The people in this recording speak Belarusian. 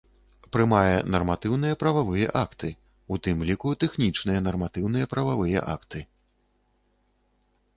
Прымае нарматыўныя прававыя акты, у тым лiку тэхнiчныя нарматыўныя прававыя акты.